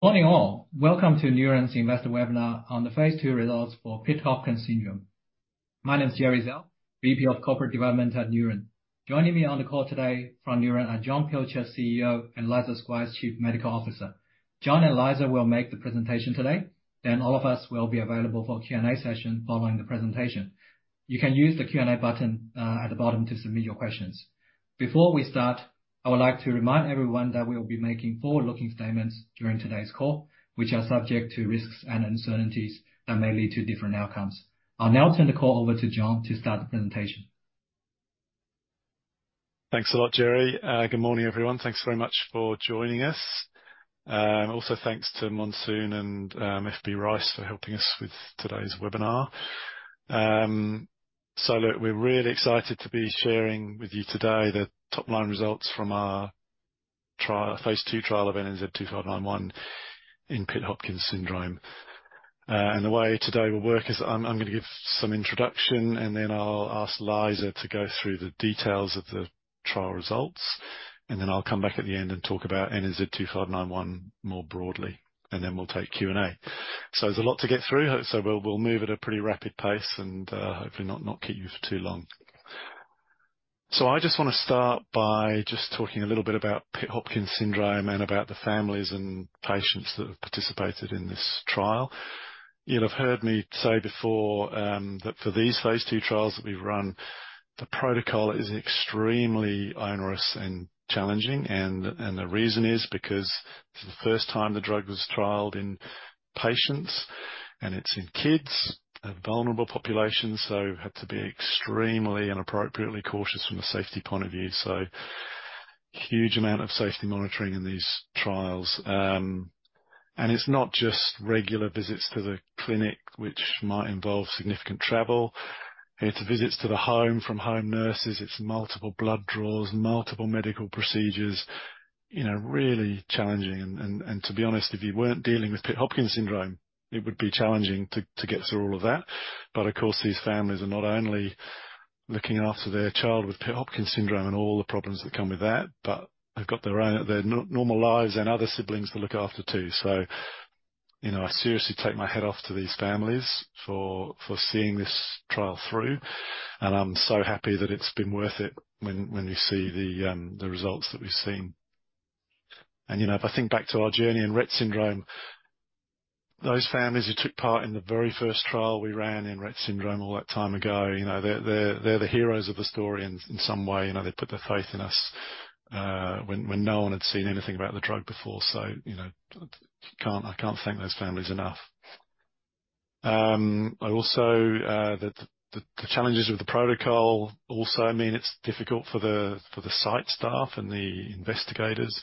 Morning, all. Welcome to Neuren's investor webinar on the phase 2 results for Pitt-Hopkins syndrome. My name is Gerry Zhao, VP of Corporate Development at Neuren. Joining me on the call today from Neuren are John Pilcher, CEO, and Liza Squires, Chief Medical Officer. John and Liza will make the presentation today, then all of us will be available for a Q&A session following the presentation. You can use the Q&A button at the bottom to submit your questions. Before we start, I would like to remind everyone that we will be making forward-looking statements during today's call, which are subject to risks and uncertainties that may lead to different outcomes. I'll now turn the call over to John to start the presentation. Thanks a lot, Gerry. Good morning, everyone. Thanks very much for joining us. Also, thanks to Monsoon and FB Rice for helping us with today's webinar. So look, we're really excited to be sharing with you today the top-line results from our trial, phase 2 trial of NNZ-2591 in Pitt-Hopkins syndrome. And the way today will work is I'm gonna give some introduction, and then I'll ask Liza to go through the details of the trial results. And then I'll come back at the end and talk about NNZ-2591 more broadly, and then we'll take Q&A. So there's a lot to get through, so we'll move at a pretty rapid pace and hopefully not keep you for too long. So I just wanna start by just talking a little bit about Pitt-Hopkins syndrome and about the families and patients that have participated in this trial. You'd have heard me say before that for these phase 2 trials that we've run, the protocol is extremely onerous and challenging. And the reason is because it's the first time the drug was trialed in patients, and it's in kids, a vulnerable population, so we have to be extremely and appropriately cautious from a safety point of view. So huge amount of safety monitoring in these trials. And it's not just regular visits to the clinic, which might involve significant travel. It's visits to the home from home nurses, it's multiple blood draws, multiple medical procedures. You know, really challenging, and to be honest, if you weren't dealing with Pitt-Hopkins syndrome, it would be challenging to get through all of that. But of course, these families are not only looking after their child with Pitt-Hopkins syndrome and all the problems that come with that, but they've got their own normal lives and other siblings to look after, too. So, you know, I seriously take my hat off to these families for seeing this trial through, and I'm so happy that it's been worth it when you see the results that we've seen. You know, if I think back to our journey in Rett syndrome, those families who took part in the very first trial we ran in Rett syndrome all that time ago, you know, they're the heroes of the story in some way. You know, they put their faith in us when no one had seen anything about the drug before. So, you know, I can't thank those families enough. The challenges with the protocol also mean it's difficult for the site staff and the investigators.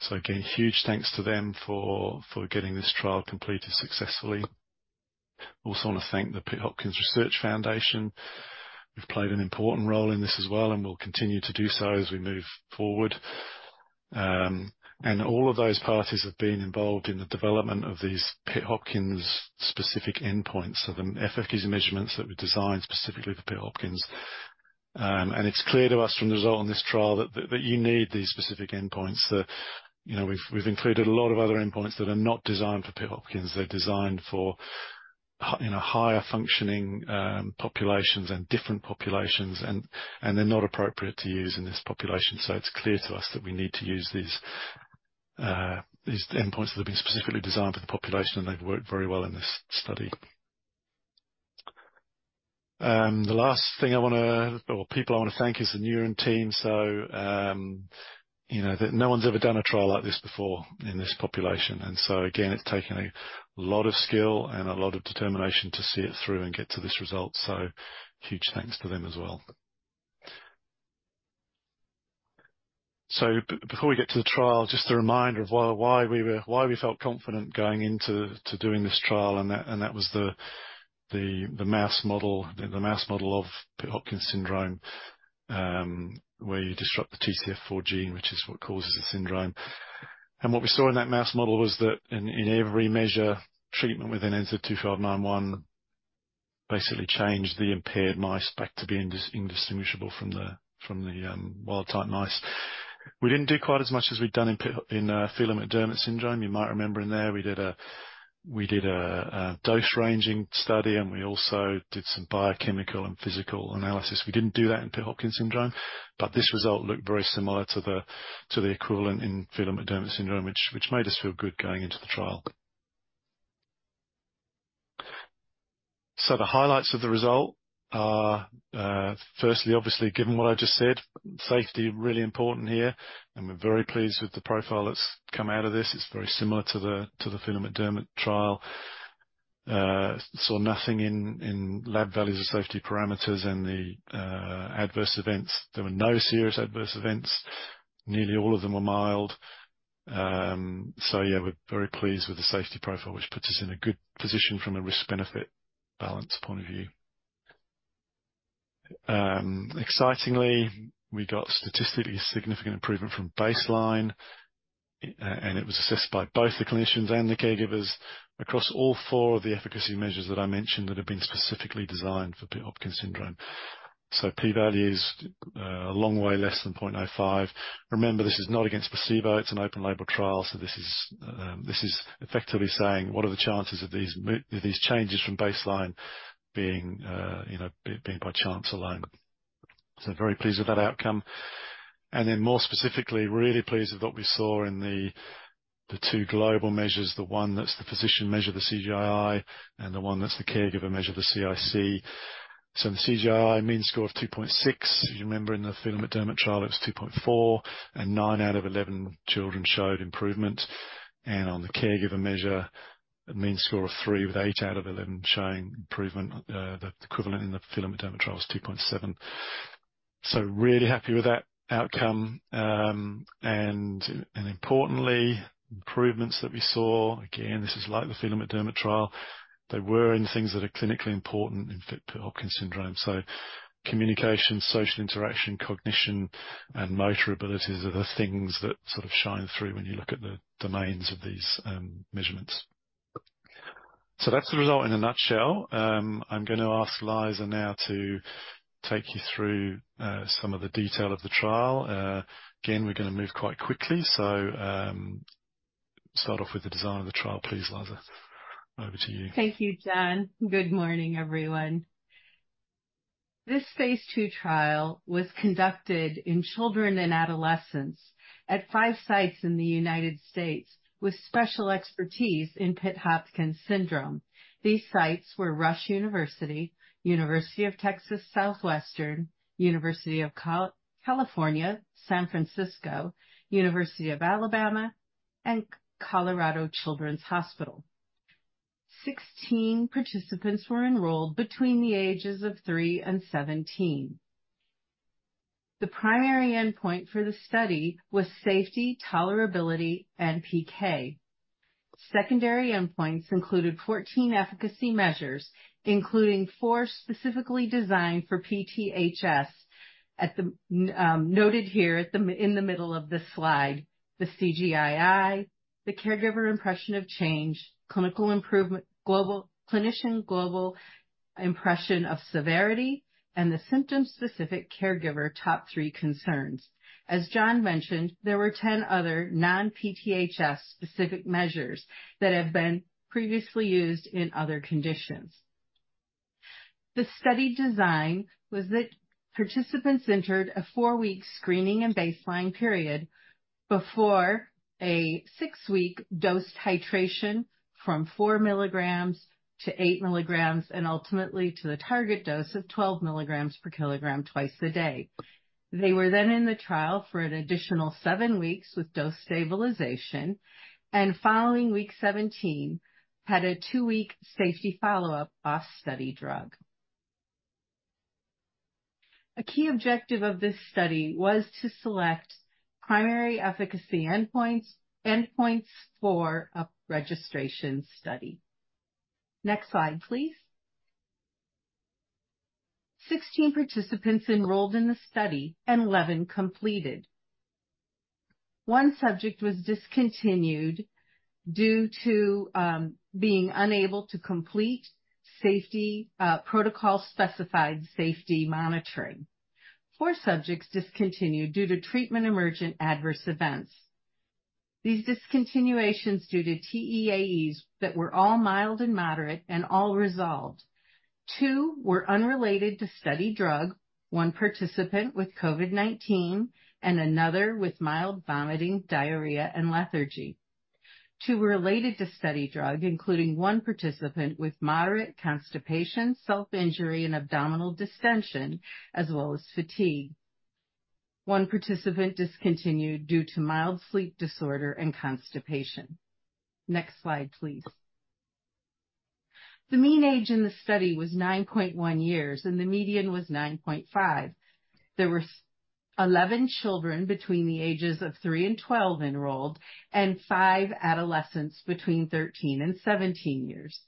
So again, huge thanks to them for getting this trial completed successfully. I also wanna thank the Pitt Hopkins Research Foundation, who've played an important role in this as well, and will continue to do so as we move forward. And all of those parties have been involved in the development of these Pitt-Hopkins specific endpoints. So the FFQs measurements that were designed specifically for Pitt-Hopkins. And it's clear to us from the result on this trial that you need these specific endpoints. That, you know, we've included a lot of other endpoints that are not designed for Pitt-Hopkins. They're designed for higher functioning populations and different populations, and they're not appropriate to use in this population. So it's clear to us that we need to use these endpoints that have been specifically designed for the population, and they've worked very well in this study. The last thing I wanna or people I wanna thank is the Neuren team. So, you know, that no one's ever done a trial like this before in this population, and so again, it's taken a lot of skill and a lot of determination to see it through and get to this result. So huge thanks to them as well. So before we get to the trial, just a reminder of why we felt confident going into doing this trial, and that was the mouse model of Pitt-Hopkins syndrome, where you disrupt the TCF4 gene, which is what causes the syndrome. And what we saw in that mouse model was that in every measure, treatment with NNZ-2591 basically changed the impaired mice back to being indistinguishable from the wild-type mice. We didn't do quite as much as we'd done in Phelan-McDermid syndrome. You might remember in there, we did a dose-ranging study, and we also did some biochemical and physical analysis. We didn't do that in Pitt-Hopkins syndrome, but this result looked very similar to the equivalent in Phelan-McDermid syndrome, which made us feel good going into the trial. So the highlights of the result are, firstly, obviously, given what I just said, safety really important here, and we're very pleased with the profile that's come out of this. It's very similar to the Phelan-McDermid trial. Saw nothing in lab values or safety parameters, and the adverse events, there were no serious adverse events. Nearly all of them were mild. So yeah, we're very pleased with the safety profile, which puts us in a good position from a risk-benefit balance point of view. Excitingly, we got statistically significant improvement from baseline, and it was assessed by both the clinicians and the caregivers across all four of the efficacy measures that I mentioned that have been specifically designed for Pitt-Hopkins syndrome. So P-value is a long way less than 0.05. Remember, this is not against placebo, it's an open label trial. So this is effectively saying: What are the chances of these changes from baseline being, you know, being by chance alone? So very pleased with that outcome. And then more specifically, really pleased with what we saw in the two global measures. The one that's the physician measure, the CGI, and the one that's the caregiver measure, the CIC. So the CGI, mean score of 2.6. If you remember in the Phelan-McDermid trial, it was 2.4, and 9 out of 11 children showed improvement. And on the caregiver measure, a mean score of 3, with 8 out of 11 showing improvement. The equivalent in the Phelan-McDermid trial was 2.7. So really happy with that outcome. Importantly, improvements that we saw, again, this is like the Phelan-McDermid trial. They were in things that are clinically important in Pitt-Hopkins syndrome. So communication, social interaction, cognition, and motor abilities are the things that sort of shine through when you look at the domains of these measurements. So that's the result in a nutshell. I'm gonna ask Liza now to take you through some of the detail of the trial. Again, we're gonna move quite quickly, so start off with the design of the trial, please, Liza. Over to you. Thank you, John. Good morning, everyone. This phase 2 trial was conducted in children and adolescents at 5 sites in the United States with special expertise in Pitt-Hopkins syndrome. These sites were Rush University Medical Center, UT Southwestern Medical Center, University of California, San Francisco, University of Alabama at Birmingham, and Children's Hospital Colorado. 16 participants were enrolled between the ages of 3 and 17. The primary endpoint for the study was safety, tolerability, and PK. Secondary endpoints included 14 efficacy measures, including 4 specifically designed for PTHS. Noted here in the middle of this slide, the CGI-I, the caregiver impression of change, clinical improvement, global clinician global impression of severity, and the symptom-specific caregiver top three concerns. As John mentioned, there were 10 other non-PTHS specific measures that have been previously used in other conditions. The study design was that participants entered a 4-week screening and baseline period before a 6-week dose titration from 4 milligrams to 8 milligrams, and ultimately to the target dose of 12 milligrams per kilogram twice a day. They were then in the trial for an additional 7 weeks with dose stabilization, and following week 17, had a 2-week safety follow-up off study drug. A key objective of this study was to select primary efficacy endpoints, endpoints for a registration study. Next slide, please. 16 participants enrolled in the study, and 11 completed. One subject was discontinued due to being unable to complete safety protocol-specified safety monitoring. Four subjects discontinued due to treatment emergent adverse events. These discontinuations due to TEAEs that were all mild and moderate and all resolved. Two were unrelated to study drug, one participant with COVID-19 and another with mild vomiting, diarrhea, and lethargy. 2 were related to study drug, including 1 participant with moderate constipation, self-injury, and abdominal distension, as well as fatigue. 1 participant discontinued due to mild sleep disorder and constipation. Next slide, please. The mean age in the study was 9.1 years, and the median was 9.5. There were 11 children between the ages of 3 and 12 enrolled, and 5 adolescents between 13 and 17 years.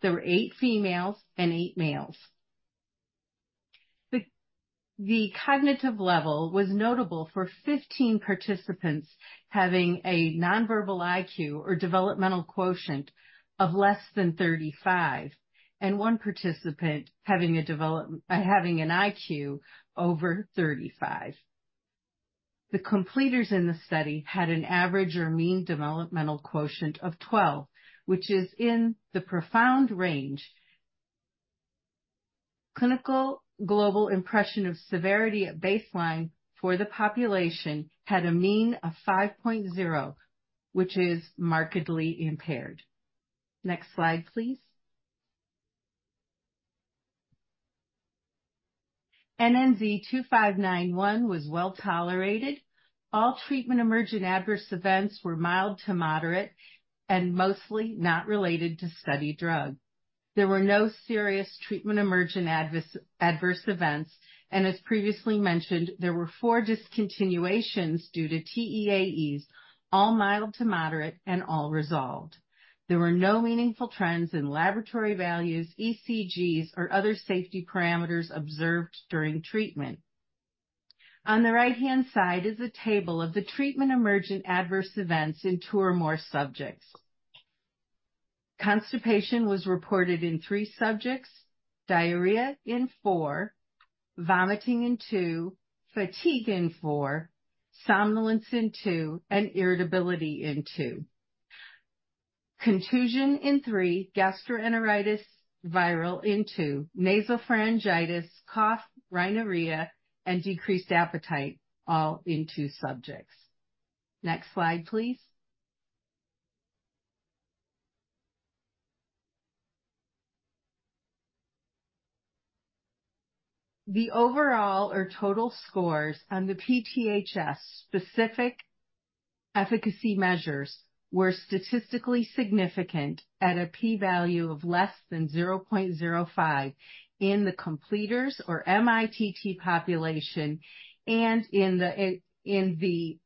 There were 8 females and 8 males. The cognitive level was notable for 15 participants having a nonverbal IQ or developmental quotient of less than 35, and 1 participant having an IQ over 35. The completers in the study had an average or mean developmental quotient of 12, which is in the profound range. Clinical Global Impression of Severity at baseline for the population had a mean of 5.0, which is markedly impaired. Next slide, please. NNZ-2591 was well tolerated. All treatment-emergent adverse events were mild to moderate and mostly not related to study drug. There were no serious treatment-emergent adverse events, and as previously mentioned, there were 4 discontinuations due to TEAEs, all mild to moderate and all resolved. There were no meaningful trends in laboratory values, ECGs, or other safety parameters observed during treatment. On the right-hand side is a table of the treatment emergent adverse events in 2 or more subjects. Constipation was reported in 3 subjects, diarrhea in 4, vomiting in 2, fatigue in 4, somnolence in 2, and irritability in 2. Contusion in 3, gastroenteritis viral in 2, nasopharyngitis, cough, rhinorrhea, and decreased appetite, all in 2 subjects. Next slide, please. The overall or total scores on the PTHS-specific efficacy measures were statistically significant at a P value of less than 0.05 in the completers or MITT population and in the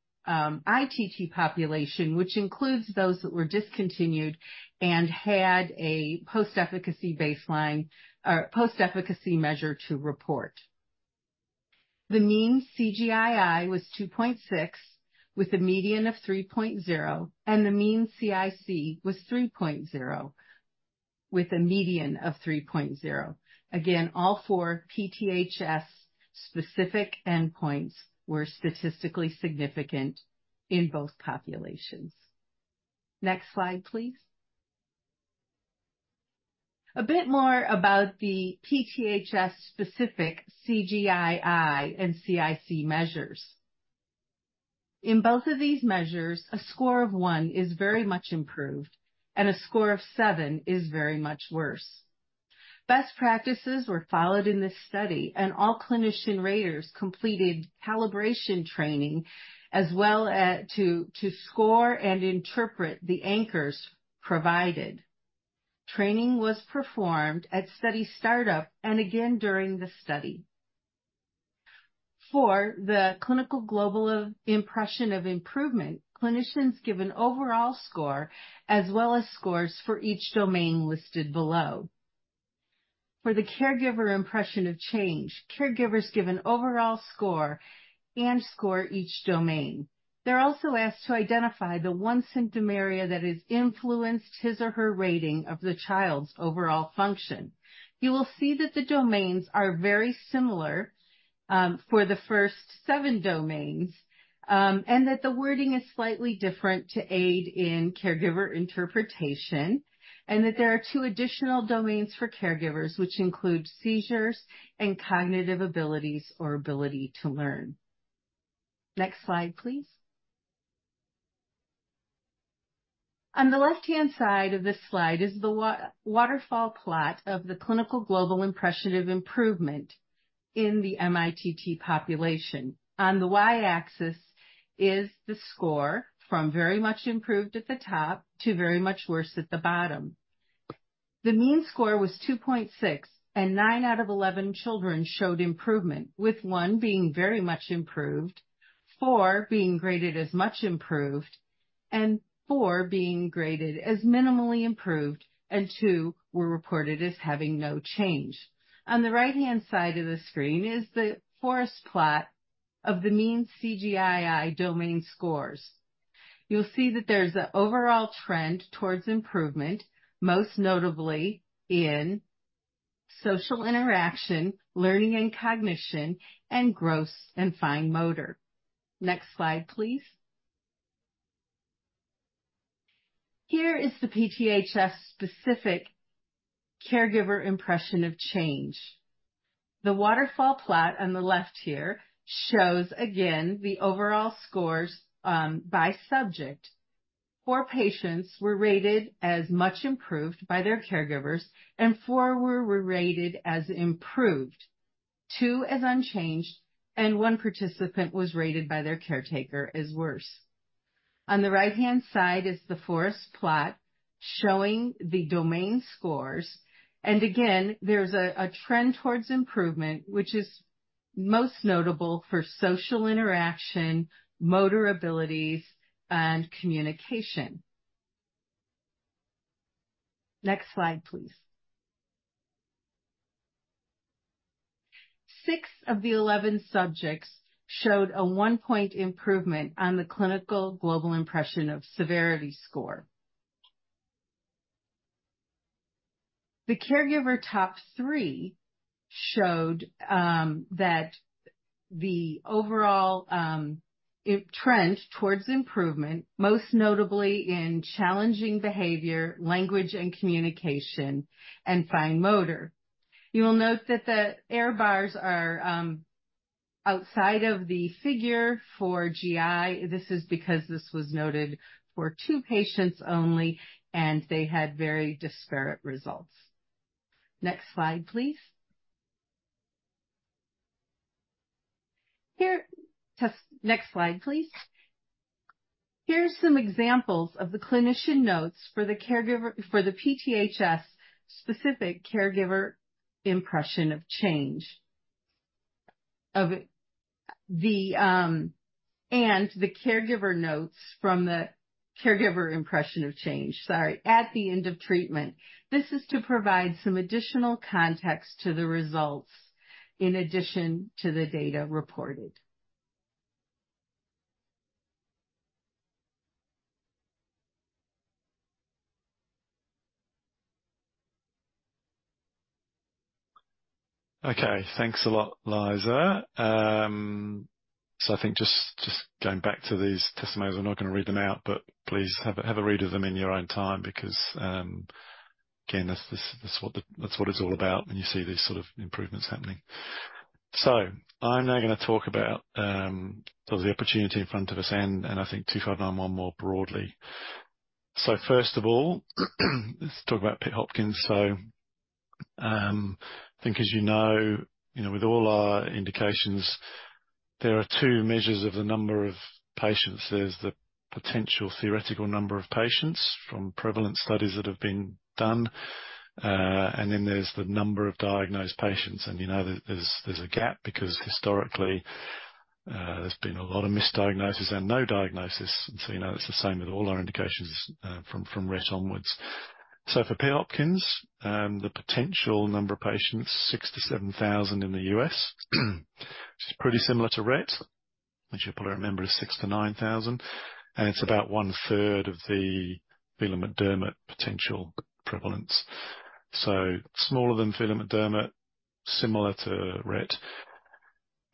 ITT population, which includes those that were discontinued and had a post-efficacy baseline, or post-efficacy measure to report. The mean CGI-I was 2.6, with a median of 3.0, and the mean CIC was 3.0, with a median of 3.0. Again, all four PTHS-specific endpoints were statistically significant in both populations. Next slide, please. A bit more about the PTHS-specific CGI-I and CIC measures. In both of these measures, a score of one is very much improved and a score of seven is very much worse. Best practices were followed in this study, and all clinician raters completed calibration training as well as to score and interpret the anchors provided. Training was performed at study startup and again during the study. For the Clinical Global Impression of Improvement, clinicians give an overall score as well as scores for each domain listed below. For the Caregiver Impression of Change, caregivers give an overall score and score each domain. They're also asked to identify the one symptom area that has influenced his or her rating of the child's overall function. You will see that the domains are very similar for the first seven domains, and that the wording is slightly different to aid in caregiver interpretation, and that there are two additional domains for caregivers, which include seizures and cognitive abilities or ability to learn. Next slide, please. On the left-hand side of this slide is the waterfall plot of the Clinical Global Impression of Improvement in the MITT population. On the Y-axis is the score from very much improved at the top to very much worse at the bottom. The mean score was 2.6, and nine out of 11 children showed improvement, with one being very much improved, four being graded as much improved, and four being graded as minimally improved, and two were reported as having no change. On the right-hand side of the screen is the forest plot of the mean CGI-I domain scores. You'll see that there's an overall trend towards improvement, most notably in social interaction, learning and cognition, and gross and fine motor. Next slide, please. Here is the PTHS-specific Caregiver Impression of Change. The waterfall plot on the left here shows again the overall scores, by subject. 4 patients were rated as much improved by their caregivers, and 4 were rated as improved, 2 as unchanged, and 1 participant was rated by their caretaker as worse. On the right-hand side is the forest plot showing the domain scores. And again, there's a trend towards improvement, which is most notable for social interaction, motor abilities, and communication. Next slide, please. 6 of the 11 subjects showed a 1-point improvement on the Clinical Global Impression of Severity score. The caregiver top three showed that the overall trend towards improvement, most notably in challenging behavior, language and communication, and fine motor. You will note that the error bars are outside of the figure for GI. This is because this was noted for 2 patients only, and they had very disparate results. Next slide, please. Next slide, please. Here are some examples of the clinician notes for the caregiver, for the PTHS-specific Caregiver Impression of Change, and the caregiver notes from the Caregiver Impression of Change, sorry, at the end of treatment. This is to provide some additional context to the results in addition to the data reported. ... Okay, thanks a lot, Liza. So I think just going back to these testimonials, I'm not gonna read them out, but please have a read of them in your own time, because, again, that's what it's all about when you see these sort of improvements happening. So I'm now gonna talk about sort of the opportunity in front of us, and I think 2591 more broadly. So first of all, let's talk about Pitt-Hopkins. So I think, as you know, you know, with all our indications, there are two measures of the number of patients. There's the potential theoretical number of patients from prevalent studies that have been done, and then there's the number of diagnosed patients. You know, there's a gap, because historically, there's been a lot of misdiagnosis and no diagnosis. You know, it's the same with all our indications, from Rett onwards. For Pitt-Hopkins, the potential number of patients, 6,000-7,000 in the U.S., which is pretty similar to Rett, which if you remember, is 6,000-9,000, and it's about one third of the Phelan-McDermid potential prevalence. So smaller than Phelan-McDermid, similar to Rett.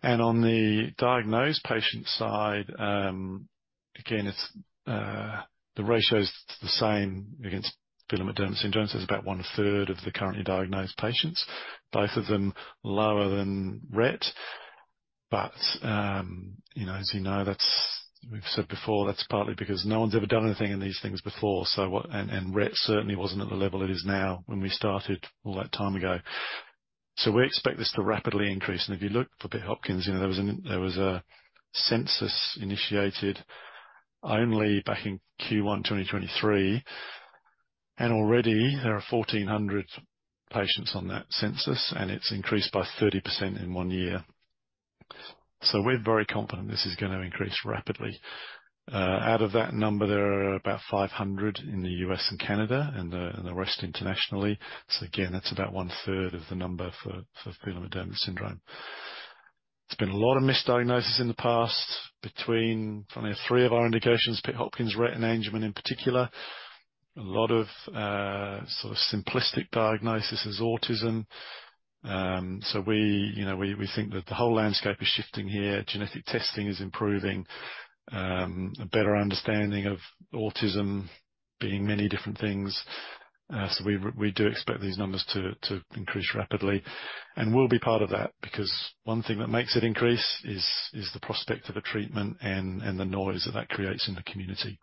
On the diagnosed patient side, again, it's the ratio's the same against Phelan-McDermid syndrome. So it's about one third of the currently diagnosed patients, both of them lower than Rett. But, you know, as you know, that's, we've said before, that's partly because no one's ever done anything in these things before. And Rett certainly wasn't at the level it is now when we started all that time ago. So we expect this to rapidly increase. And if you look for Pitt-Hopkins, you know, there was a census initiated only back in Q1 2023, and already there are 1,400 patients on that census, and it's increased by 30% in one year. So we're very confident this is gonna increase rapidly. Out of that number, there are about 500 in the U.S. and Canada, and the rest internationally. So again, that's about one third of the number for Phelan-McDermid syndrome. There's been a lot of misdiagnosis in the past between three of our indications, Pitt-Hopkins, Rett, and Angelman, in particular. A lot of sort of simplistic diagnosis as autism. So we, you know, we think that the whole landscape is shifting here. Genetic testing is improving, a better understanding of autism being many different things. So we do expect these numbers to increase rapidly. And we'll be part of that, because one thing that makes it increase is the prospect of a treatment and the noise that that creates in the community.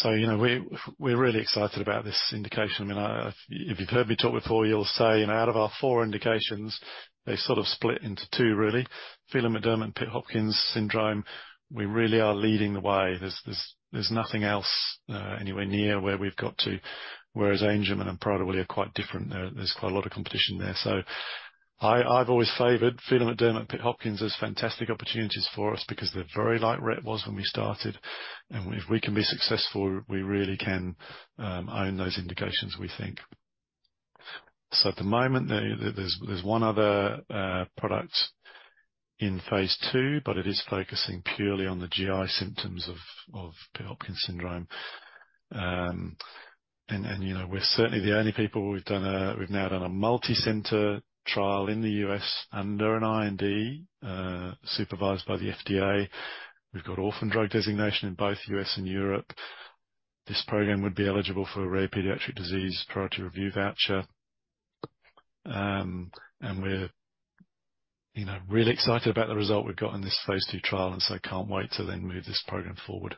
So, you know, we're really excited about this indication. I mean, if you've heard me talk before, you'll say, you know, out of our four indications, they sort of split into two really. Phelan-McDermid and Pitt-Hopkins syndrome, we really are leading the way. There's nothing else anywhere near where we've got to, whereas Angelman and Prader-Willi are quite different. There's quite a lot of competition there. So I, I've always favored Phelan-McDermid and Pitt-Hopkins as fantastic opportunities for us, because they're very like Rett was when we started, and if we can be successful, we really can own those indications, we think. So at the moment, there's one other product in phase 2, but it is focusing purely on the GI symptoms of Pitt-Hopkins syndrome. And you know, we're certainly the only people. We've now done a multicenter trial in the U.S. under an IND supervised by the FDA. We've got orphan drug designation in both U.S. and Europe. This program would be eligible for a rare pediatric disease priority review voucher. And we're, you know, really excited about the result we've got in this phase 2 trial, and so can't wait to then move this program forward.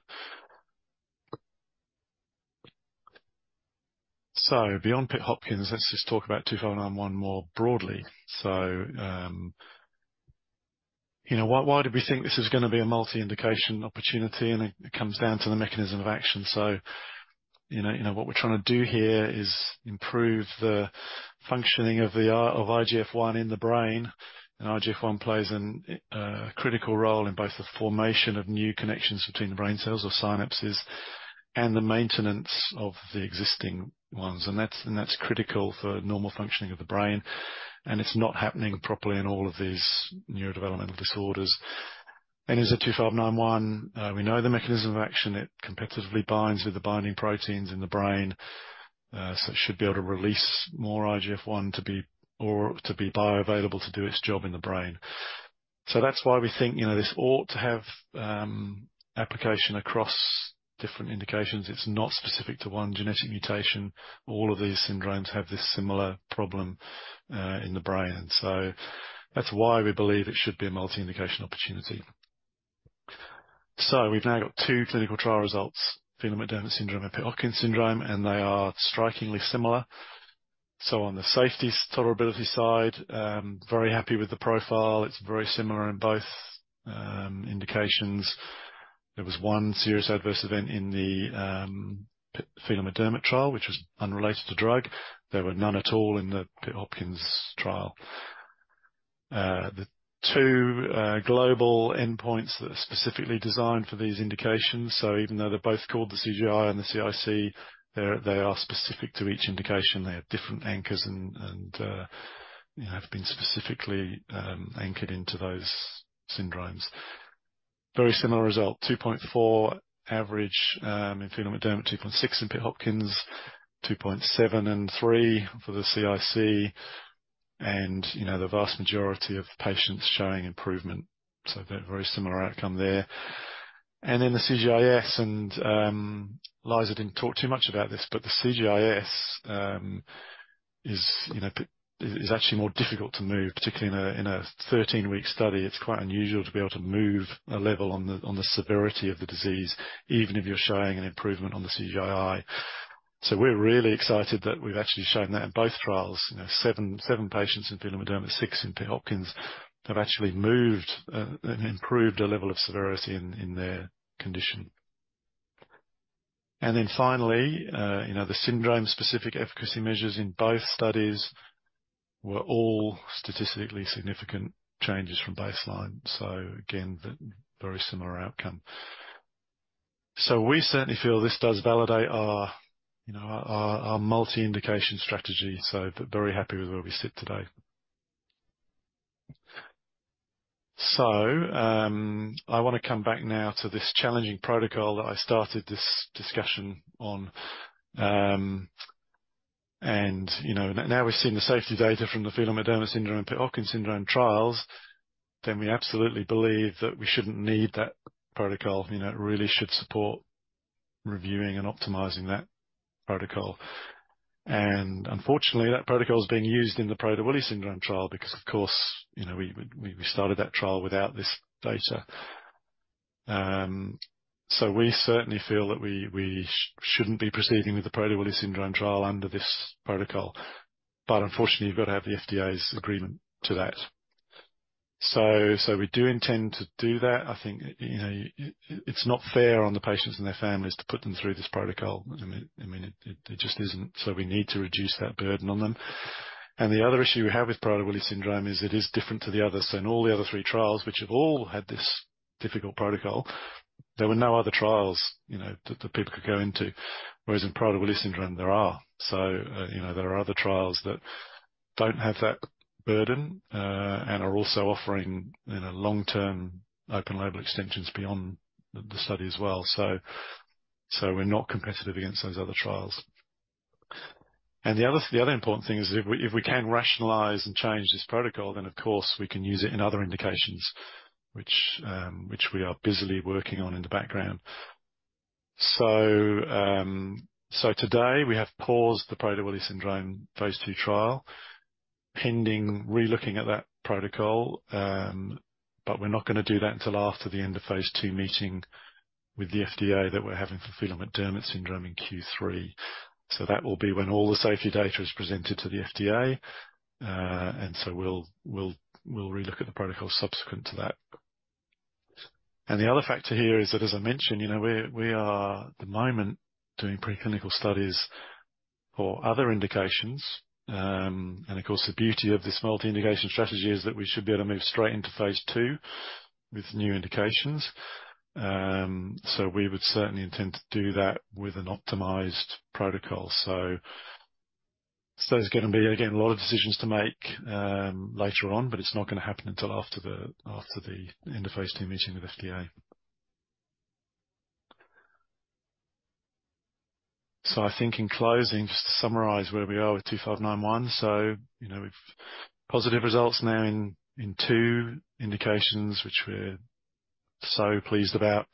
So beyond Pitt-Hopkins, let's just talk about 2591 more broadly. So, you know, why, why do we think this is gonna be a multi-indication opportunity? And it, it comes down to the mechanism of action. So, you know, you know, what we're trying to do here is improve the functioning of the IGF-1 in the brain. And IGF-1 plays an critical role in both the formation of new connections between the brain cells or synapses and the maintenance of the existing ones. And that's, and that's critical for normal functioning of the brain, and it's not happening properly in all of these neurodevelopmental disorders. And as of 2591, we know the mechanism of action. It competitively binds with the binding proteins in the brain, so it should be able to release more IGF-1 to be, or to be bioavailable to do its job in the brain. So that's why we think, you know, this ought to have application across different indications. It's not specific to one genetic mutation. All of these syndromes have this similar problem in the brain. So that's why we believe it should be a multi-indication opportunity. So we've now got two clinical trial results, Phelan-McDermid syndrome and Pitt-Hopkins syndrome, and they are strikingly similar. So on the safety tolerability side, very happy with the profile. It's very similar in both indications. There was one serious adverse event in the Phelan-McDermid trial, which was unrelated to drug. There were none at all in the Pitt-Hopkins trial. The two global endpoints that are specifically designed for these indications, so even though they're both called the CGI and the CIC, they are specific to each indication. They have different anchors and, you know, have been specifically anchored into those syndromes. Very similar result, 2.4 average in Phelan-McDermid, 2.6 in Pitt-Hopkins, 2.7 and 3 for the CIC, and, you know, the vast majority of patients showing improvement. So very similar outcome there. And then the CGI-S and, Liza didn't talk too much about this, but the CGI-S is, you know, is actually more difficult to move, particularly in a 13-week study. It's quite unusual to be able to move a level on the severity of the disease, even if you're showing an improvement on the CGI. So we're really excited that we've actually shown that in both trials. You know, 7, 7 patients in Phelan-McDermid, 6 in Pitt-Hopkins, have actually moved and improved their level of severity in, in their condition. And then finally, you know, the syndrome-specific efficacy measures in both studies were all statistically significant changes from baseline. So again, the very similar outcome. So we certainly feel this does validate our, you know, our multi-indication strategy, so very happy with where we sit today. So, I want to come back now to this challenging protocol that I started this discussion on. And you know, now we've seen the safety data from the Phelan-McDermid syndrome and Pitt-Hopkins syndrome trials, then we absolutely believe that we shouldn't need that protocol. You know, it really should support reviewing and optimizing that protocol. Unfortunately, that protocol is being used in the Prader-Willi syndrome trial because, of course, you know, we started that trial without this data. So we certainly feel that we shouldn't be proceeding with the Prader-Willi syndrome trial under this protocol, but unfortunately, you've got to have the FDA's agreement to that. So we do intend to do that. I think, you know, it's not fair on the patients and their families to put them through this protocol. I mean, it just isn't. So we need to reduce that burden on them. And the other issue we have with Prader-Willi syndrome is it is different to the others. In all the other three trials, which have all had this difficult protocol, there were no other trials, you know, that people could go into. Whereas in Prader-Willi syndrome, there are. So, you know, there are other trials that don't have that burden, and are also offering, you know, long-term open label extensions beyond the study as well. So, we're not competitive against those other trials. And the other important thing is if we can rationalize and change this protocol, then of course, we can use it in other indications which we are busily working on in the background. So, today, we have paused the Prader-Willi syndrome phase 2 trial, pending relooking at that protocol. But we're not gonna do that until after the end of phase 2 meeting with the FDA, that we're having for Phelan-McDermid syndrome in Q3. So that will be when all the safety data is presented to the FDA. And so we'll relook at the protocol subsequent to that. And the other factor here is that, as I mentioned, you know, we are, at the moment, doing preclinical studies for other indications. And of course, the beauty of this multi-indication strategy is that we should be able to move straight into Phase Two with new indications. So we would certainly intend to do that with an optimized protocol. So there's gonna be, again, a lot of decisions to make later on, but it's not gonna happen until after the interface meeting with FDA. So I think in closing, just to summarize where we are with two five nine one. So, you know, we've positive results now in two indications, which we're so pleased about.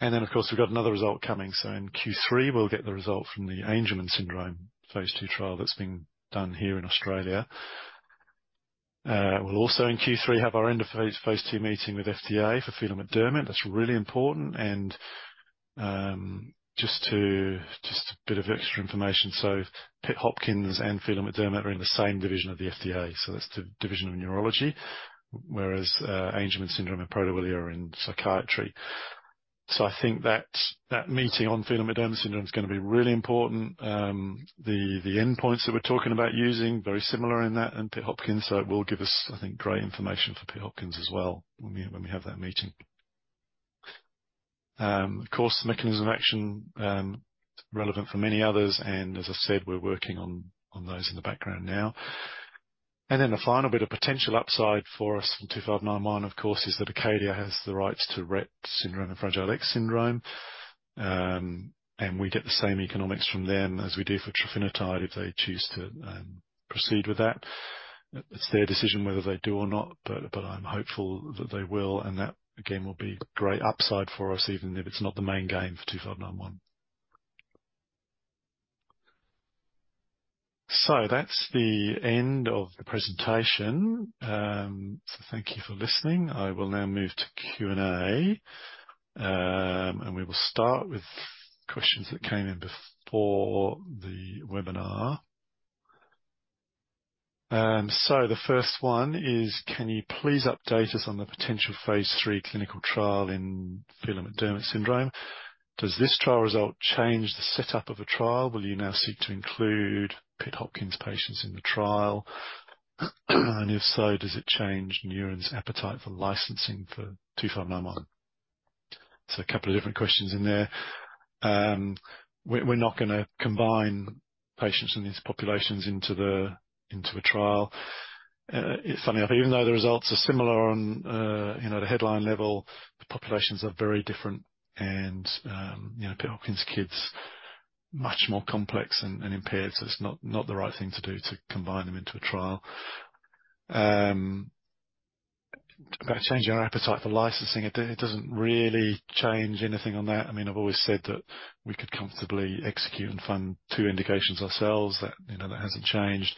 And then, of course, we've got another result coming. So in Q3, we'll get the result from the Angelman syndrome phase 2 trial that's being done here in Australia. We'll also, in Q3, have our end of phase 2 meeting with FDA for Phelan-McDermid. That's really important. Just a bit of extra information: Pitt-Hopkins and Phelan-McDermid are in the same division of the FDA, so that's the Division of Neurology, whereas, Angelman syndrome and Prader-Willi are in Psychiatry. So I think that meeting on Phelan-McDermid syndrome is gonna be really important. The endpoints that we're talking about using, very similar in that and Pitt-Hopkins, so it will give us, I think, great information for Pitt-Hopkins as well when we have that meeting. Of course, the mechanism of action, relevant for many others, and as I said, we're working on those in the background now. And then the final bit of potential upside for us in 2591, of course, is that Acadia has the rights to Rett syndrome and Fragile X syndrome. And we get the same economics from them as we do for trofinetide, if they choose to proceed with that. It's their decision whether they do or not, but I'm hopeful that they will, and that, again, will be great upside for us, even if it's not the main game for 2591. So that's the end of the presentation. So thank you for listening. I will now move to Q&A. And we will start with questions that came in before the webinar. So the first one is: Can you please update us on the potential phase 3 clinical trial in Phelan-McDermid syndrome? Does this trial result change the setup of the trial? Will you now seek to include Pitt-Hopkins patients in the trial? And if so, does it change Neuren's appetite for licensing for 2591?... So a couple of different questions in there. We're not gonna combine patients in these populations into a trial. Funnily, even though the results are similar on, you know, the headline level, the populations are very different and, you know, Pitt-Hopkins kids, much more complex and impaired, so it's not the right thing to do to combine them into a trial. About changing our appetite for licensing, it doesn't really change anything on that. I mean, I've always said that we could comfortably execute and fund two indications ourselves. That, you know, that hasn't changed,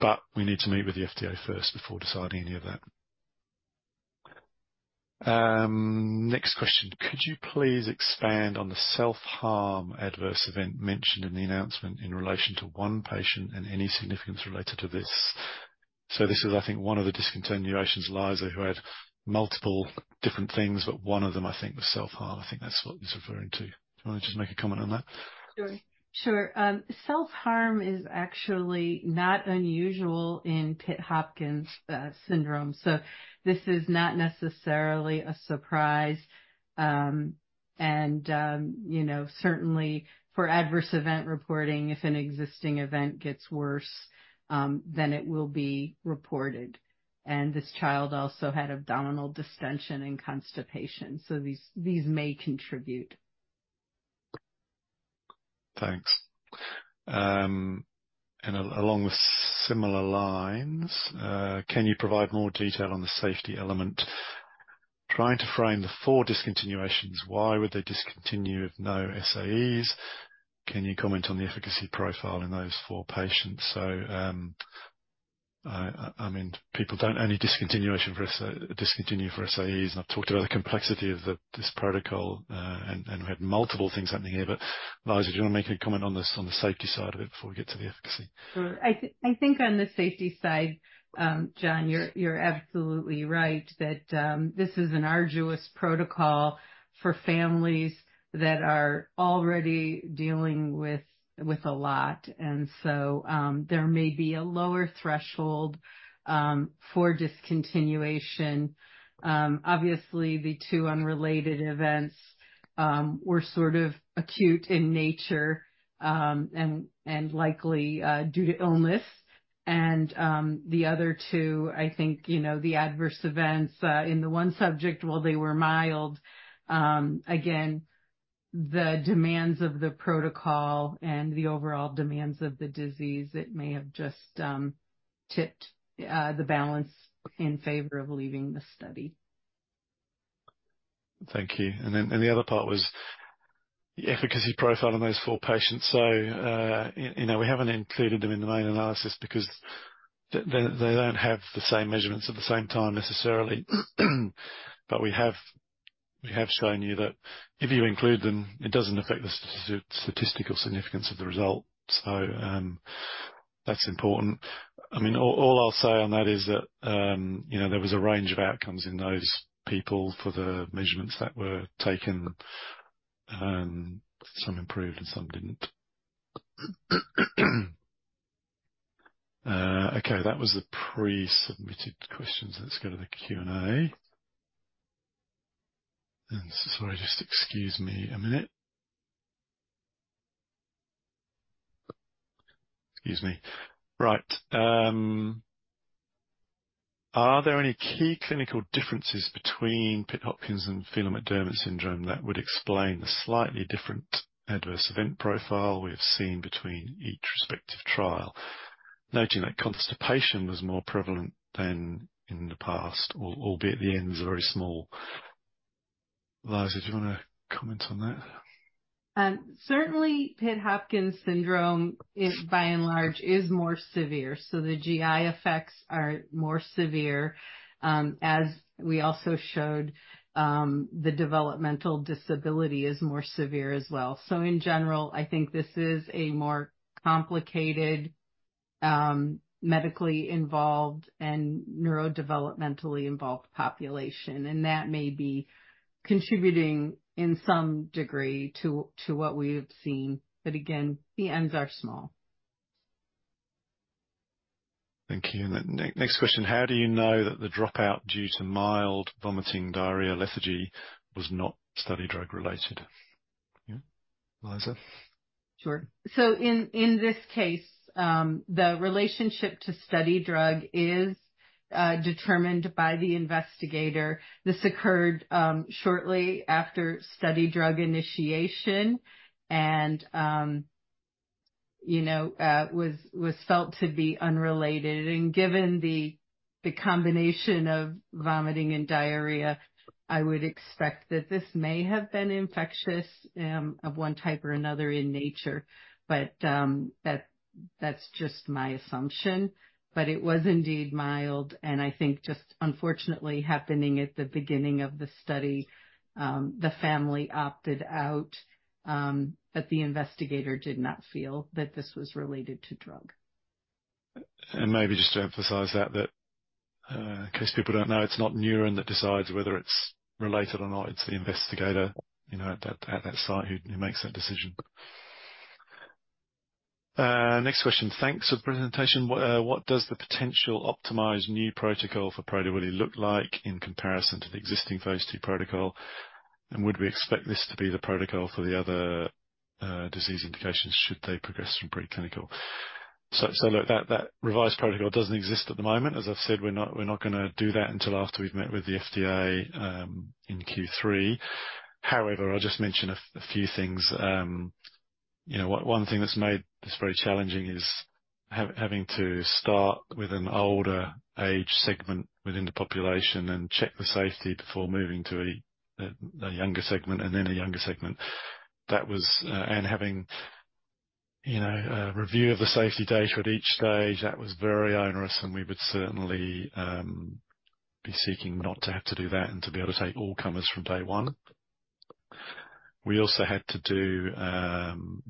but we need to meet with the FDA first before deciding any of that. Next question: Could you please expand on the self-harm adverse event mentioned in the announcement in relation to one patient and any significance related to this? So this is, I think, one of the discontinuations, Liza, who had multiple different things, but one of them, I think, was self-harm. I think that's what he's referring to. Do you want to just make a comment on that? Sure. Sure. Self-harm is actually not unusual in Pitt-Hopkins syndrome, so this is not necessarily a surprise. And, you know, certainly for adverse event reporting, if an existing event gets worse, then it will be reported. And this child also had abdominal distension and constipation, so these, these may contribute. Thanks. And along with similar lines, can you provide more detail on the safety element? Trying to frame the four discontinuations, why would they discontinue if no SAEs? Can you comment on the efficacy profile in those four patients? So, I mean, people don't only discontinue for SAEs, and I've talked about the complexity of this protocol, and we had multiple things happening here. But, Liza, do you want to make a comment on the safety side of it before we get to the efficacy? Sure. I think on the safety side, John, you're, you're absolutely right that this is an arduous protocol for families that are already dealing with, with a lot. And so, there may be a lower threshold for discontinuation. Obviously, the two unrelated events were sort of acute in nature and likely due to illness. And the other two, I think, you know, the adverse events in the one subject, while they were mild, again, the demands of the protocol and the overall demands of the disease, it may have just tipped the balance in favor of leaving the study. Thank you. Then, the other part was the efficacy profile on those 4 patients. So, you know, we haven't included them in the main analysis because they, they don't have the same measurements at the same time necessarily. But we have, we have shown you that if you include them, it doesn't affect the statistical significance of the result. So, that's important. I mean, all, all I'll say on that is that, you know, there was a range of outcomes in those people for the measurements that were taken, and some improved and some didn't. Okay, that was the pre-submitted questions. Let's go to the Q&A. Sorry, just excuse me a minute. Excuse me. Right, are there any key clinical differences between Pitt-Hopkins and Phelan-McDermid syndrome that would explain the slightly different adverse event profile we have seen between each respective trial? Noting that constipation was more prevalent than in the past, albeit the N is very small. Liza, do you want to comment on that? Certainly, Pitt-Hopkins syndrome is, by and large, is more severe, so the GI effects are more severe. As we also showed, the developmental disability is more severe as well. So in general, I think this is a more complicated, medically involved and neurodevelopmentally involved population, and that may be contributing, in some degree, to, to what we have seen. But again, the n's are small. Thank you. And then next question: How do you know that the dropout due to mild vomiting, diarrhea, lethargy was not study drug-related? Yeah. Liza? Sure. So in this case, the relationship to study drug is determined by the investigator. This occurred shortly after study drug initiation and, you know, was felt to be unrelated. And given the combination of vomiting and diarrhea, I would expect that this may have been infectious of one type or another in nature. But that's just my assumption. But it was indeed mild, and I think just unfortunately happening at the beginning of the study, the family opted out, but the investigator did not feel that this was related to drug. And maybe just to emphasize that, in case people don't know, it's not Neuren that decides whether it's related or not, it's the investigator, you know, at that site who makes that decision. Next question. Thanks for the presentation. What does the potential optimized new protocol for Prader-Willi look like in comparison to the existing phase 2 protocol? And would we expect this to be the protocol for the other disease indications, should they progress from preclinical? So look, that revised protocol doesn't exist at the moment. As I've said, we're not gonna do that until after we've met with the FDA in Q3. However, I'll just mention a few things. You know, one thing that's made this very challenging is having to start with an older age segment within the population and check the safety before moving to a younger segment, and then a younger segment. Having, you know, a review of the safety data at each stage, that was very onerous, and we would certainly be seeking not to have to do that and to be able to take all comers from day one. We also had to do,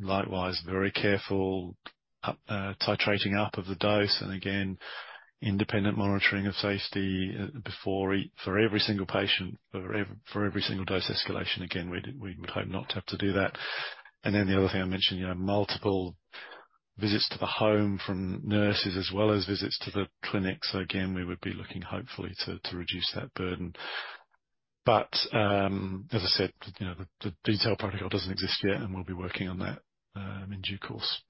likewise, very careful titrating up of the dose, and again, independent monitoring of safety before for every single patient, or for every single dose escalation. Again, we would hope not to have to do that. And then the other thing I mentioned, you know, multiple visits to the home from nurses, as well as visits to the clinic. So again, we would be looking hopefully to, to reduce that burden. But, as I said, you know, the, the detailed protocol doesn't exist yet, and we'll be working on that, in due course.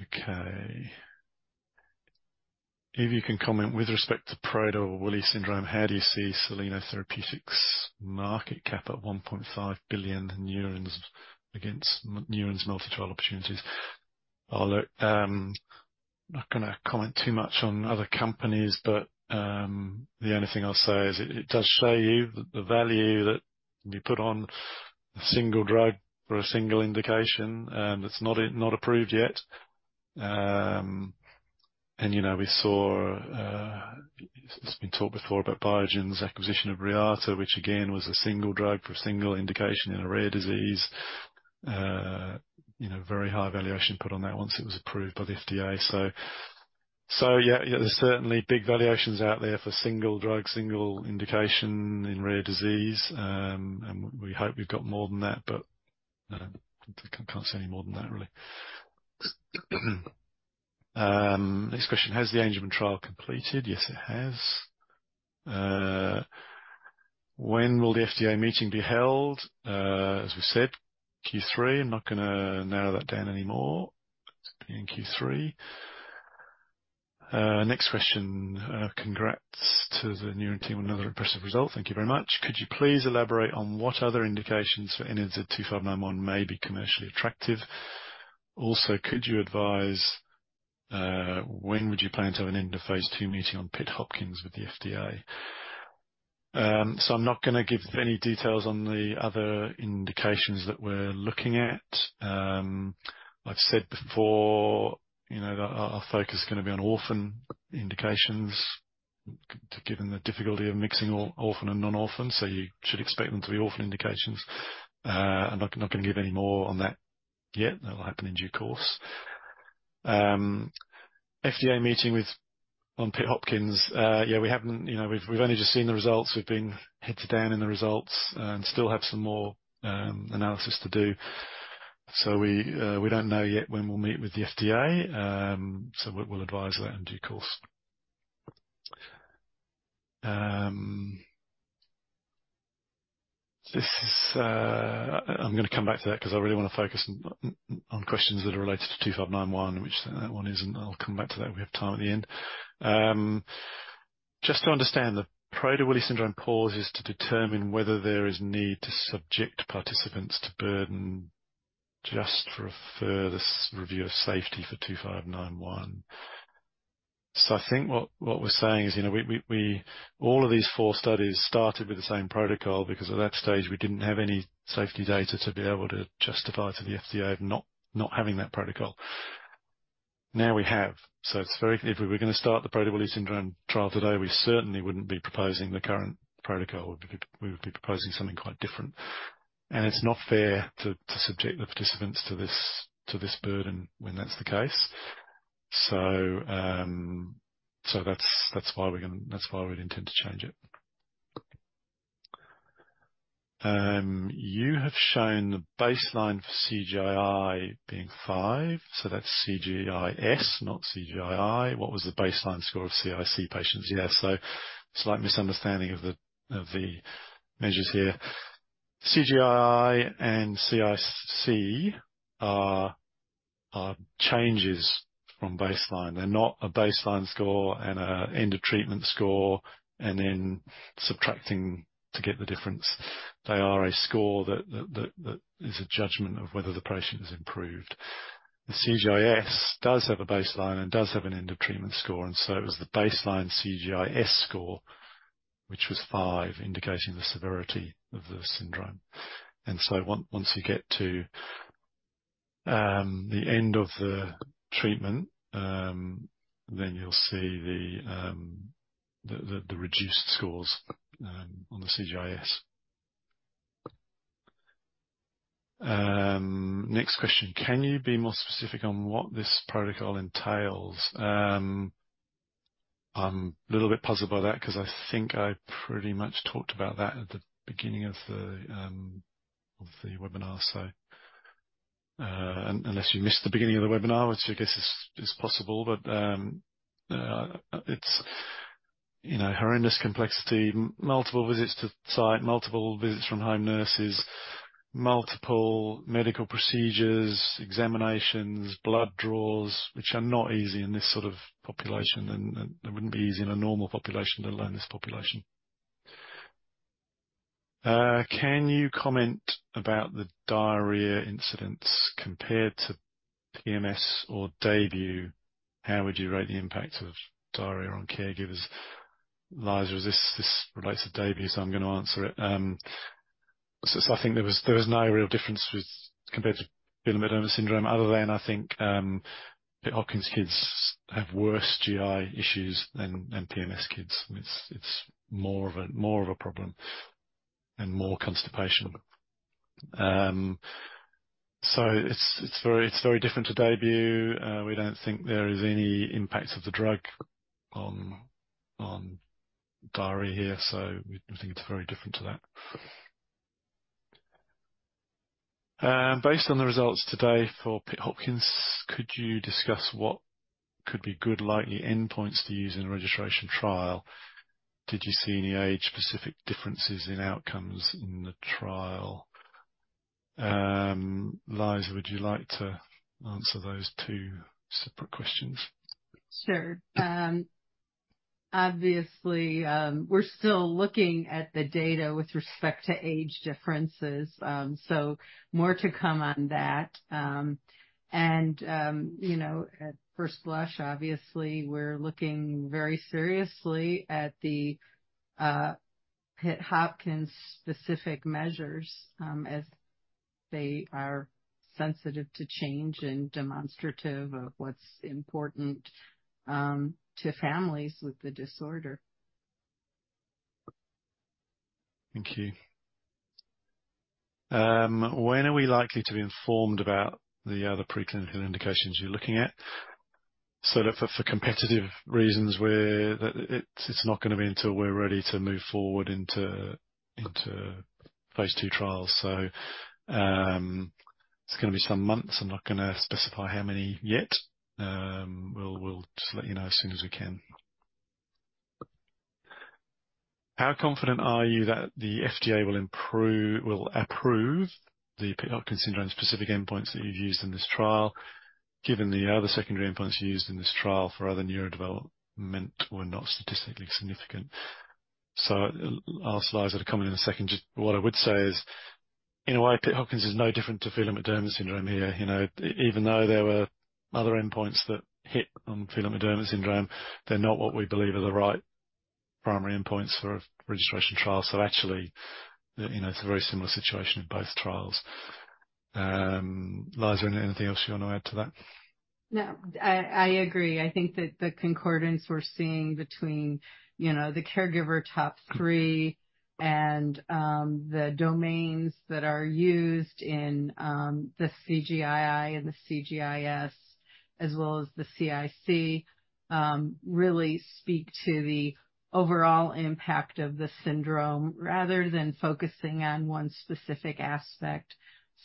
Okay. If you can comment with respect to Prader-Willi syndrome, how do you see Soleno Therapeutics' market cap at $1.5 billion in Neuren's against Neuren's multitrial opportunities? Oh, look, not gonna comment too much on other companies, but, the only thing I'll say is it, it does show you the, the value that we put on a single drug for a single indication, that's not, not approved yet. And, you know, we saw... It's been talked before about Biogen's acquisition of Reata, which again, was a single drug for a single indication in a rare disease. You know, very high valuation put on that once it was approved by the FDA. So, so yeah, yeah, there's certainly big valuations out there for single drug, single indication in rare disease. And we, we hope we've got more than that, but, I can't say any more than that, really. Next question: Has the Angelman trial completed? Yes, it has. When will the FDA meeting be held? As we said, Q3. I'm not gonna narrow that down anymore. It's in Q3. Next question. Congrats to the Neuren team on another impressive result. Thank you very much. Could you please elaborate on what other indications for NNZ-2591 may be commercially attractive? Also, could you advise, when would you plan to have an end of Phase 2 meeting on Pitt-Hopkins with the FDA? So I'm not gonna give any details on the other indications that we're looking at. I've said before, you know, that our focus is gonna be on orphan indications, given the difficulty of mixing orphan and non-orphan, so you should expect them to be orphan indications. I'm not gonna give any more on that yet. That will happen in due course. FDA meeting on Pitt-Hopkins. Yeah, we haven't... You know, we've only just seen the results. We've been heads down in the results and still have some more analysis to do. So we don't know yet when we'll meet with the FDA. So we'll advise that in due course. I'm gonna come back to that because I really want to focus on questions that are related to 2591, which that one isn't. I'll come back to that if we have time at the end. Just to understand, the Prader-Willi syndrome pause is to determine whether there is need to subject participants to burden just for a further safety review for 2591. So I think what we're saying is, you know, we all of these four studies started with the same protocol because at that stage, we didn't have any safety data to be able to justify to the FDA of not having that protocol. Now, we have. So it's very if we were gonna start the Prader-Willi syndrome trial today, we certainly wouldn't be proposing the current protocol. We would be proposing something quite different. It's not fair to subject the participants to this burden when that's the case. That's why we're gonna—that's why we'd intend to change it. You have shown the baseline for CGI being five, so that's CGI-S, not CGI-I. What was the baseline score of CIC patients? Yeah, so slight misunderstanding of the measures here. CGI-I and CIC are changes from baseline. They're not a baseline score and an end of treatment score, and then subtracting to get the difference. They are a score that is a judgment of whether the patient has improved. The CGI-S does have a baseline and does have an end of treatment score, and so it was the baseline CGI-S score, which was five, indicating the severity of the syndrome. And so once you get to the end of the treatment, then you'll see the reduced scores on the CGI-S. Next question: Can you be more specific on what this protocol entails? I'm a little bit puzzled by that, because I think I pretty much talked about that at the beginning of the webinar. So unless you missed the beginning of the webinar, which I guess is possible, but it's, you know, horrendous complexity, multiple visits to site, multiple visits from home nurses, multiple medical procedures, examinations, blood draws, which are not easy in this sort of population, and they wouldn't be easy in a normal population, let alone this population. Can you comment about the diarrhea incidents compared to PMS or DAYBUE? How would you rate the impact of diarrhea on caregivers? Liza, this relates to Daybue, so I'm gonna answer it. So I think there was no real difference, compared to Phelan-McDermid syndrome, other than I think, Pitt-Hopkins kids have worse GI issues than PMS kids. It's more of a problem and more constipation. So it's very different to Daybue. We don't think there is any impact of the drug on diarrhea, so we think it's very different to that. Based on the results today for Pitt-Hopkins, could you discuss what could be good likely endpoints to use in a registration trial? Did you see any age-specific differences in outcomes in the trial? Liza, would you like to answer those two separate questions? Sure. Obviously, we're still looking at the data with respect to age differences, so more to come on that. And, you know, at first blush, obviously, we're looking very seriously at the Pitt-Hopkins specific measures, as they are sensitive to change and demonstrative of what's important to families with the disorder. Thank you. When are we likely to be informed about the other preclinical indications you're looking at? So look, for competitive reasons, it's not gonna be until we're ready to move forward into phase 2 trials. So, it's gonna be some months. I'm not gonna specify how many yet. We'll just let you know as soon as we can. How confident are you that the FDA will approve the Pitt-Hopkins syndrome-specific endpoints that you've used in this trial, given the other secondary endpoints you used in this trial for other neurodevelopment were not statistically significant? So I'll ask Liza to come in in a second. Just what I would say is, in a way, Pitt-Hopkins is no different to Phelan-McDermid syndrome here. You know, even though there were other endpoints that hit on Phelan-McDermid syndrome, they're not what we believe are the right primary endpoints for a registration trial. So actually, you know, it's a very similar situation in both trials. Liza, anything else you want to add to that? No, I, I agree. I think that the concordance we're seeing between, you know, the caregiver top three and the domains that are used in the CGI-I and the CGI-S, as well as the CIC, really speak to the overall impact of the syndrome, rather than focusing on one specific aspect,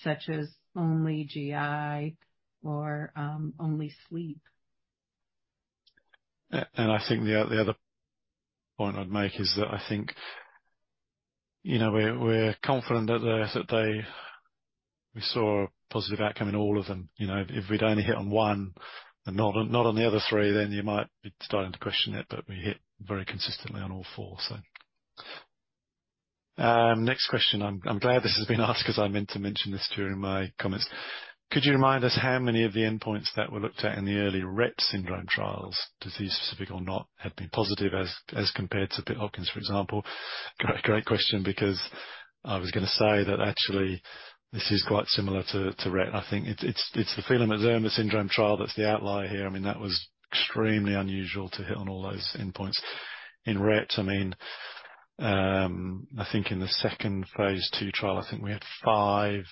such as only GI or only sleep. And I think the other point I'd make is that I think, you know, we're confident that they... We saw a positive outcome in all of them. You know, if we'd only hit on one and not on the other three, then you might be starting to question it, but we hit very consistently on all four, so. Next question. I'm glad this has been asked, 'cause I meant to mention this too in my comments. Could you remind us how many of the endpoints that were looked at in the early Rett syndrome trials, disease-specific or not, have been positive as compared to Pitt-Hopkins, for example? Great, great question, because I was gonna say that actually this is quite similar to Rett. I think it's the Phelan-McDermid syndrome trial that's the outlier here. I mean, that was extremely unusual to hit on all those endpoints. In Rett, I mean, I think in the second phase 2 trial, I think we had 5,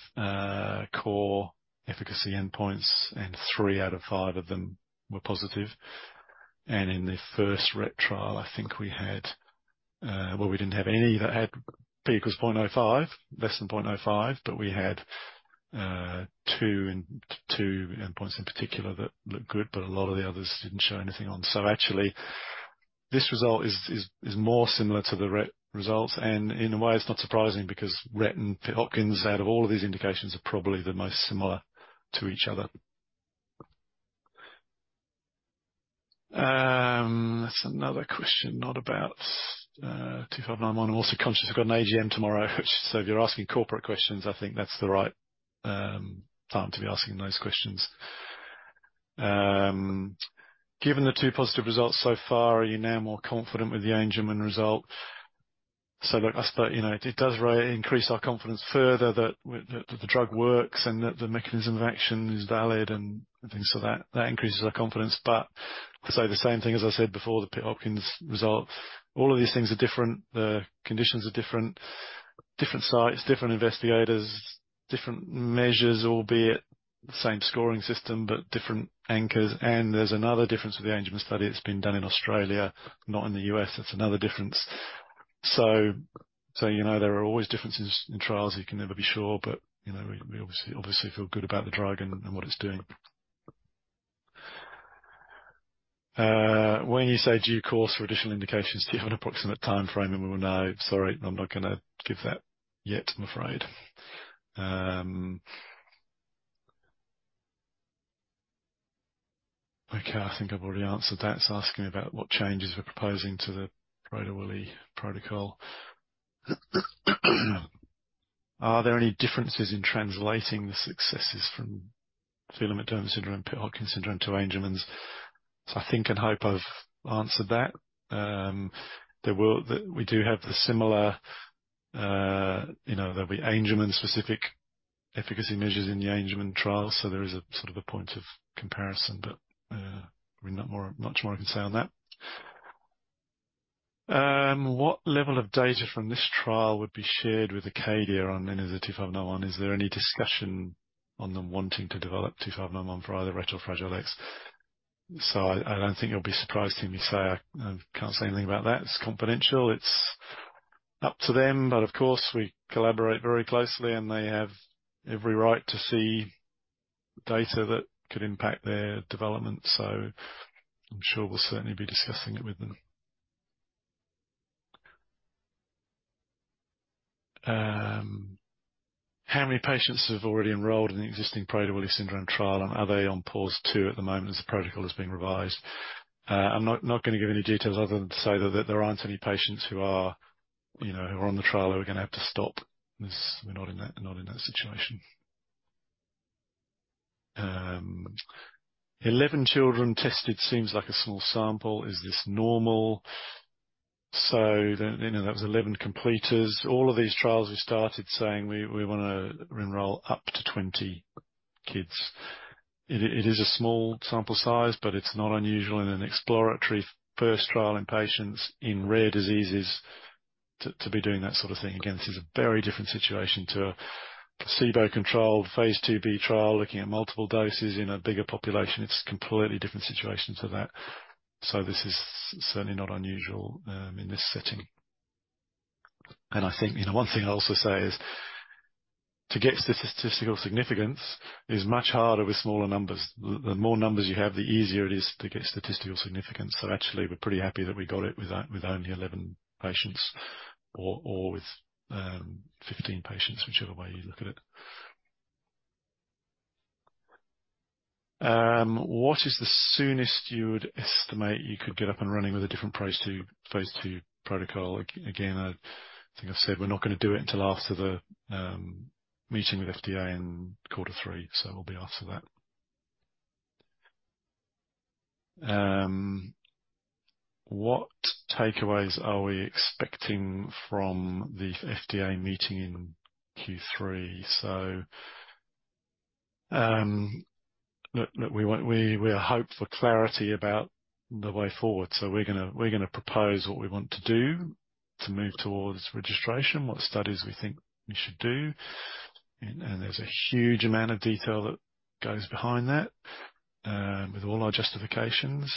core efficacy endpoints, and 3 out of 5 of them were positive. And in the first Rett trial, I think we had, well, we didn't have any that had P equals 0.05, less than 0.05, but we had, two and two endpoints in particular that looked good, but a lot of the others didn't show anything on. So actually, this result is more similar to the Rett results, and in a way, it's not surprising, because Rett and Pitt-Hopkins, out of all of these indications, are probably the most similar to each other. What's another question not about, two five nine one? I'm also conscious we've got an AGM tomorrow, so if you're asking corporate questions, I think that's the right time to be asking those questions. Given the two positive results so far, are you now more confident with the Angelman result? So look, I suppose, you know, it does increase our confidence further that the drug works and that the mechanism of action is valid and things. So that increases our confidence, but to say the same thing as I said before, the Pitt-Hopkins result, all of these things are different, the conditions are different, different sites, different investigators, different measures, albeit the same scoring system, but different anchors. And there's another difference with the Angelman study that's been done in Australia, not in the U.S. That's another difference. So, you know, there are always differences in trials. You can never be sure, but, you know, we obviously, obviously feel good about the drug and, and what it's doing. When you say due course for additional indications, do you have an approximate time frame and we will know? Sorry, I'm not gonna give that yet, I'm afraid. Okay, I think I've already answered that. It's asking about what changes we're proposing to the Prader-Willi protocol. Are there any differences in translating the successes from Phelan-McDermid syndrome, Pitt-Hopkins syndrome to Angelman? So I think and hope I've answered that. There will, we do have the similar, you know, there'll be Angelman-specific efficacy measures in the Angelman trial, so there is a sort of a point of comparison, but, we're not much more I can say on that. What level of data from this trial would be shared with Acadia on NNZ-2591? Is there any discussion on them wanting to develop 2511 for either Rett or Fragile X? So I don't think you'll be surprised to hear me say I can't say anything about that. It's confidential. It's up to them, but of course, we collaborate very closely, and they have every right to see data that could impact their development. So I'm sure we'll certainly be discussing it with them. How many patients have already enrolled in the existing Prader-Willi syndrome trial, and are they on pause, too, at the moment as the protocol is being revised? I'm not gonna give any details other than to say that there aren't any patients who are, you know, who are on the trial, that we're gonna have to stop this. We're not in that situation. Eleven children tested, seems like a small sample. Is this normal? So then, you know, that was 11 completers. All of these trials, we started saying we wanna enroll up to 20 kids. It is a small sample size, but it's not unusual in an exploratory first trial in patients in rare diseases to be doing that sort of thing. Again, this is a very different situation to a placebo-controlled phase 2b trial, looking at multiple doses in a bigger population. It's a completely different situation to that. So this is certainly not unusual in this setting. And I think, you know, one thing I'll also say is, to get statistical significance is much harder with smaller numbers. The more numbers you have, the easier it is to get statistical significance. So actually, we're pretty happy that we got it with only 11 patients or, or with, 15 patients, whichever way you look at it. What is the soonest you would estimate you could get up and running with a different Phase 2, Phase 2 protocol? Again, I think I've said, we're not gonna do it until after the, meeting with FDA in Quarter Three, so it'll be after that. What takeaways are we expecting from the FDA meeting in Q3? So, look, we want, we, we hope for clarity about the way forward. So we're gonna, we're gonna propose what we want to do to move towards registration, what studies we think we should do. There's a huge amount of detail that goes behind that, with all our justifications,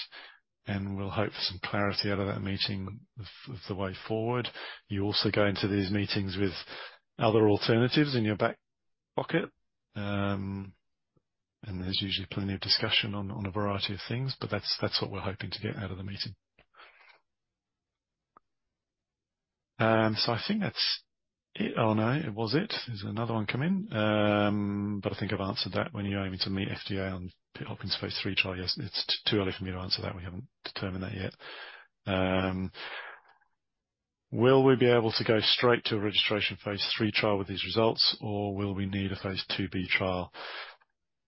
and we'll hope for some clarity out of that meeting of the way forward. You also go into these meetings with other alternatives in your back pocket. And there's usually plenty of discussion on a variety of things, but that's what we're hoping to get out of the meeting. So I think that's it. Oh, no, it was it. There's another one coming, but I think I've answered that. When are you aiming to meet FDA on Pitt-Hopkins phase 3 trial? Yes, it's too early for me to answer that. We haven't determined that yet. Will we be able to go straight to a registration phase 3 trial with these results, or will we need a phase 2b trial?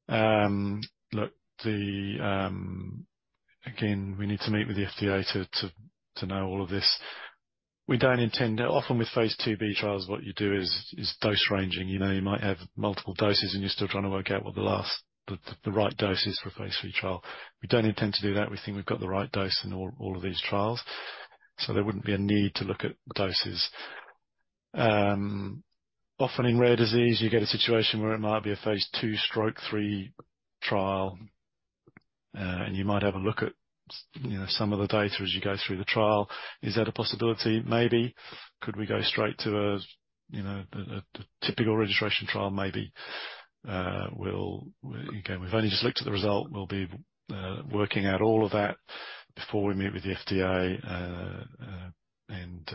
Look, the... Again, we need to meet with the FDA to know all of this. We don't intend to. Often with phase 2b trials, what you do is dose ranging. You know, you might have multiple doses, and you're still trying to work out what the right dose is for a phase 3 trial. We don't intend to do that. We think we've got the right dose in all of these trials, so there wouldn't be a need to look at doses. Often in rare disease, you get a situation where it might be a phase 2/3 trial, and you might have a look at, you know, some of the data as you go through the trial. Is that a possibility? Maybe. Could we go straight to a typical registration trial? Maybe. Again, we've only just looked at the result. We'll be working out all of that before we meet with the FDA and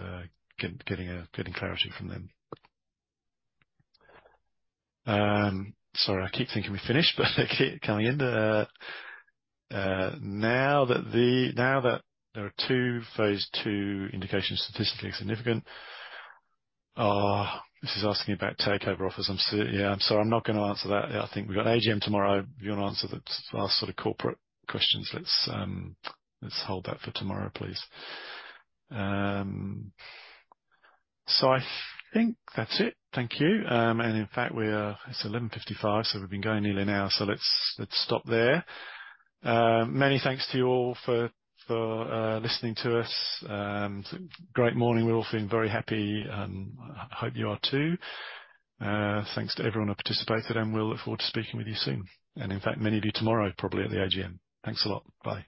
getting clarity from them. Sorry, I keep thinking we're finished, but they keep coming in. Now that there are two Phase 2 indications, statistically significant. This is asking about takeover offers. Yeah, I'm sorry, I'm not gonna answer that. I think we've got AGM tomorrow. If you want to answer the last sort of corporate questions, let's hold that for tomorrow, please. So I think that's it. Thank you. And in fact, it's 11:55 A.M., so we've been going nearly an hour, so let's stop there. Many thanks to you all for listening to us. Great morning. We're all feeling very happy, and I hope you are too. Thanks to everyone who participated, and we'll look forward to speaking with you soon. In fact, many of you tomorrow, probably at the AGM. Thanks a lot. Bye.